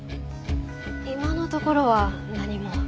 今のところは何も。